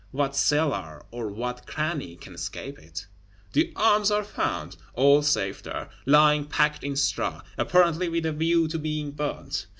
What cellar or what cranny can escape it? The arms are found; all safe there, lying packed in straw, apparently with a view to being burnt!